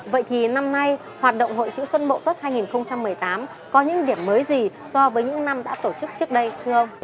vậy thì năm nay hoạt động hội chữ xuân mậu tuất hai nghìn một mươi tám có những điểm mới gì so với những năm đã tổ chức trước đây thưa ông